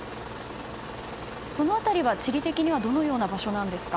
その辺りは地理的にはどういう場所ですか。